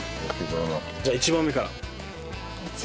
じゃ１番目から。